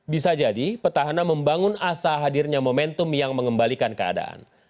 bisa jadi petahana membangun asa hadirnya momentum yang mengembalikan keadaan